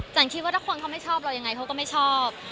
คิดว่าถ้าคนเขาไม่ชอบเรายังไงเขาก็ไม่ชอบ